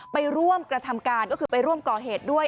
ไปร่วมกระทำการก็คือไปร่วมก่อเหตุด้วย